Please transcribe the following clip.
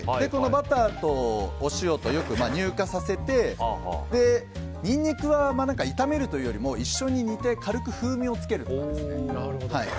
バターとお塩を乳化させてニンニクは炒めるというよりも一緒に煮て軽く風味をつける感じですね。